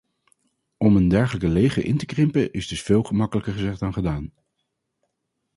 Om een dergelijk leger in te krimpen is dus veel gemakkelijker gezegd dan gedaan.